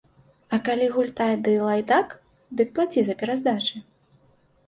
А калі гультай ды лайдак, дык плаці за пераздачы.